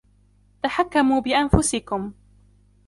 تَحَكَموا بأنفُسَكُم.